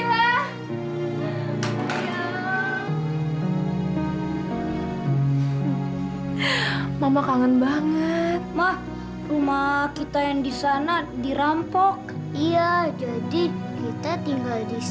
karena sangatlah masyarakatnya sudah nyateng maaf